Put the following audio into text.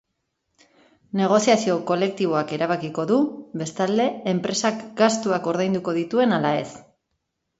Negoziazio kolektiboak erabakiko du, bestalde, enpresak gastuak ordainduko dituen ala ez.